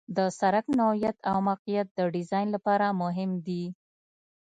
د سرک نوعیت او موقعیت د ډیزاین لپاره مهم دي